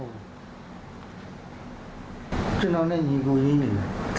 พี่ชายนี่บาดเจ็บจนสุดท้ายเสียชีวิต